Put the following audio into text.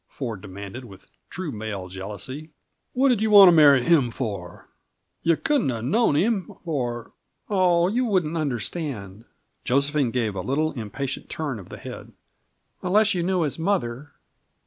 Ford demanded, with true male jealousy. "What did you want to marry him for? You couldn't have known him, or " "Oh, you wouldn't understand " Josephine gave a little, impatient turn of the head, "unless you knew his mother.